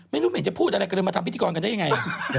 ไม่รู้เห็นจะพูดอะไรกันเลยมาทำพิธีกรกันได้ยังไง